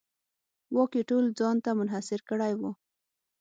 واک یې ټول ځان ته منحصر کړی و.